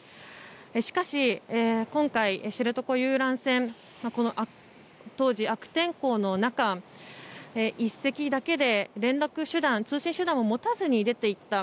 しかし今回、知床遊覧船当時、悪天候の中１隻だけで通信手段を持たずに出て行った。